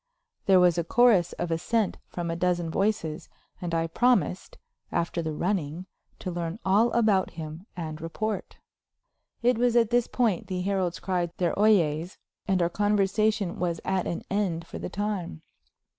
There was a chorus of assent from a dozen voices, and I promised, after the running, to learn all about him and report. It was at this point the heralds cried their "Oyes," and our conversation was at an end for the time.